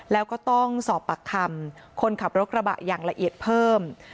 แล้วก็ต้องสอบปากคำคนขับรถกระบะอย่างละเอียดเพิ่ม